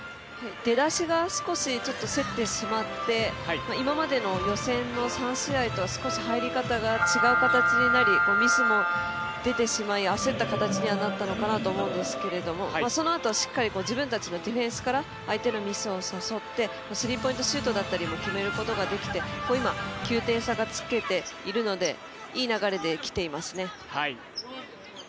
出だしが少し競ってしまって今までの予選の３試合とは少し入り方が違う形になりミスも出てしまい焦った形になったのかなと思うんですけども、そのあと、しっかり自分たちのディフェンスから相手のミスを誘ってスリーポイントシュートだったり決めることができて９点差でつけているのでいい流れで、きていますね。